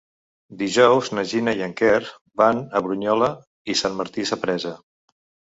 Dijous na Gina i en Quer van a Brunyola i Sant Martí Sapresa.